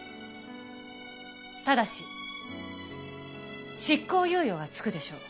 ただし執行猶予がつくでしょう。